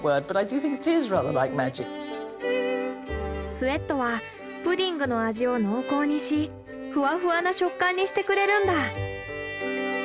スエットはプディングの味を濃厚にしフワフワな食感にしてくれるんだ。